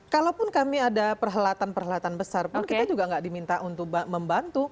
kalaupun kami ada perhelatan perhelatan besar pun kita juga tidak diminta untuk membantu